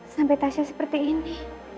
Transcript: sampai tasya seperti ini